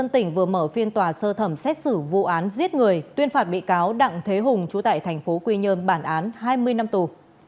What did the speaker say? tiết người tuyên phạt bị cáo đặng thế hùng trú tại thành phố quy nhơn bản án hai mươi năm tù